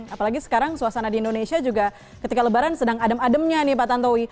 apalagi sekarang suasana di indonesia juga ketika lebaran sedang adem ademnya nih pak tantowi